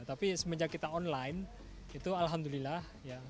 tapi semenjak kita online itu alhamdulillah